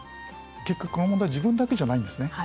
結局この問題は自分だけじゃないんですね。